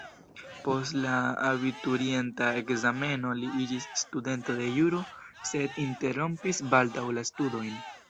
Post la abiturienta ekzameno li iĝis studento de juro sed interrompis baldaŭ la studojn.